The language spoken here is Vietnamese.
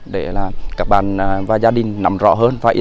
để là các bạn và gia đình nằm rõ hơn và y tế